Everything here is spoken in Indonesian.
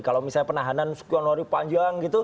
kalau misalnya penahanan sekolah nanti panjang